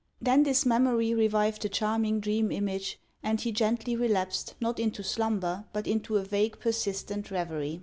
Then this memory revived the charming dream image, and he gently relapsed, not into slumber, but into a vague, persistent revery.